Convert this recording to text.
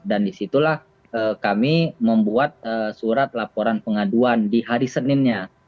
dan disitulah kami membuat surat laporan pengaduan di hari senin nya